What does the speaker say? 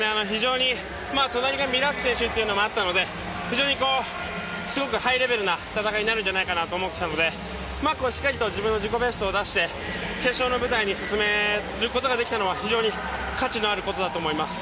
隣がミラーク選手というのもあったので非常にすごくハイレベルな戦いになるんじゃないかなと思っていたのでしっかりと自分の自己ベストを出して決勝の舞台に進めることができたのは非常に価値のあることだと思います。